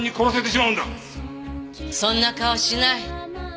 そんな顔しない。